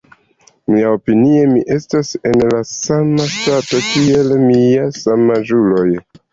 Miaopinie, mi estas en la sama stato kiel miaj samaĝuloj.